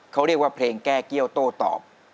เขาเรียกว่าเพลงแก้เกี้ยวโต้ตอบ